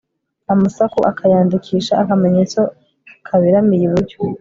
amasaku akayandikisha akamenyetso kaberamiye iburyo